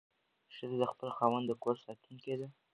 ښځه د خپل خاوند د کور ساتونکې ده.